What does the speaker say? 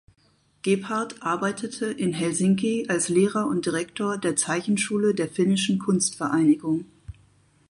Gebhard arbeitete in Helsinki als Lehrer und Direktor der Zeichenschule der Finnischen Kunstvereinigung.